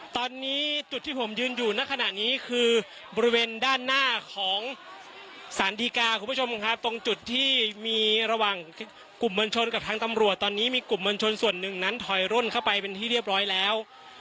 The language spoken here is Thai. ตอนนี้จุดที่ผมยืนอยู่ในขณะนี้คือบริเวณด้านหน้าของสารดีกาคุณผู้ชมครับตรงจุดที่มีระหว่างกลุ่มมวลชนกับทางตำรวจตอนนี้มีกลุ่มมวลชนส่วนหนึ่งนั้นถอยร่นเข้าไปเป็นที่เรียบร้อยแล้ว